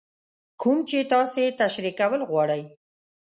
کوم چې تاسې تشرېح کول غواړئ.